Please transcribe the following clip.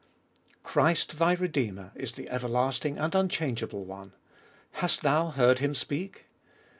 Christ, thy Redeemer, is the everlasting and unchangeable One : hast thou heard Him speak